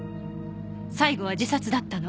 最後は自殺だったの。